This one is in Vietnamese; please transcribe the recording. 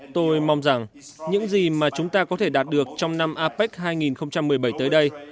tôi mong rằng những gì mà chúng ta có thể đạt được trong năm apec hai nghìn một mươi bảy tới đây